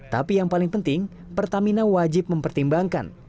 tapi yang paling penting pertamina wajib mempertimbangkan